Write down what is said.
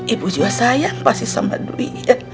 ibu juga sayang pasti sama duit